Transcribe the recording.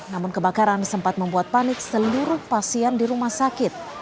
namun kebakaran sempat membuat panik seluruh pasien di rumah sakit